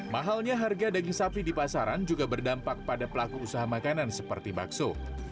mahalnya harga daging sapi di pasaran juga berdampak pada pelaku usaha makanan seperti bakso